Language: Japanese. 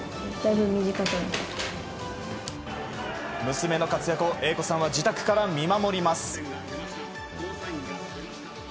娘の活躍を英子さんは自宅から見守ります。